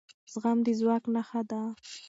زغم د ځواک نښه ده